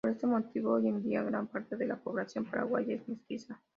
Por este motivo, hoy en día gran parte de la población paraguaya es mestiza.